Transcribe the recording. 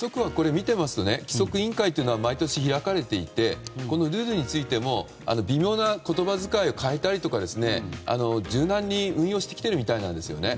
規則委員会というのは毎年開かれていてこのルールについても微妙な言葉遣いを変えたりとか柔軟に運用してきているみたいなんですよね。